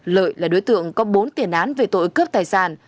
lợi là đối tượng có bốn tiền án về tội cướp tài sản